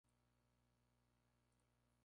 El Bobo.